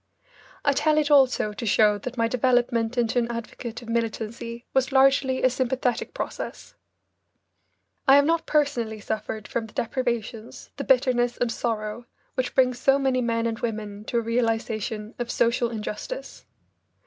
I tell it also to show that my development into an advocate of militancy was largely a sympathetic process. I have not personally suffered from the deprivations, the bitterness and sorrow which bring so many men and women to a realisation of social injustice.